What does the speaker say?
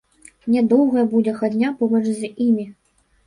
Нядоўгая будзе хадня побач з імі.